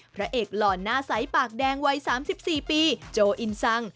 พระเอกหล่อนหน้าใสปากแดงวัย๓๔ปีโจอินซัง